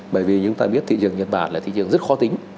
bởi vì chúng ta biết thị trường nhật bản là thị trường rất khó tính